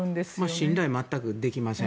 信頼は全くできません。